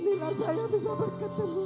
disinilah saya bisa berketemu